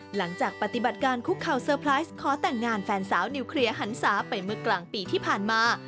หลังจากปฏิบัติการคุกเข่าเซอร์ไพรส์ขอแต่งงานแฟนสาวนิวเคลียร์หันศาไปเมื่อกลางปีที่ผ่านมา